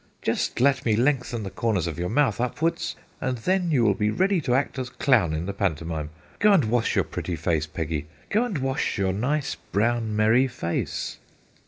'Just let me lengthen the corners of your mouth upwards, and then you will be ready to act as clown in the pantomime. Go and wash your pretty face, Peggy ; go and wash your nice, brown, merry face